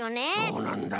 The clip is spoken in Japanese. そうなんだ。